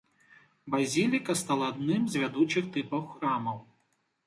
Базіліка стала адным з вядучых тыпаў храмаў.